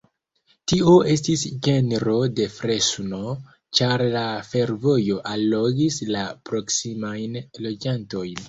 Tio estis ĝermo de Fresno, ĉar la fervojo allogis la proksimajn loĝantojn.